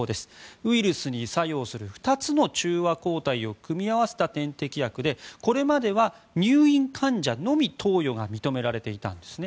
ウイルスに作用する２つの中和抗体を組み合わせた点滴薬でこれまでは入院患者のみ投与が認められていたんですね。